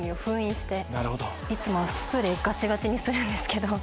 いつもはスプレーガチガチにするんですけど。